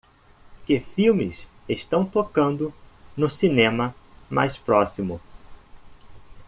Que filmes estão tocando no cinema mais próximo